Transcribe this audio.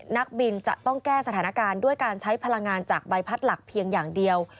นักบินจะต้องแก้สถานการณ์ด้วยการใช้พลังงานจากใบพัดหลักเพียงอย่างเดียว